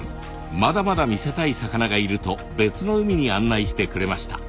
まだまだ見せたい魚がいると別の海に案内してくれました。